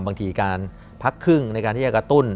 บางทีการพักครึ่งในการที่จะกระตุ้น